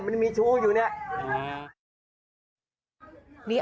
มันมีทู้อยู่เนี่ย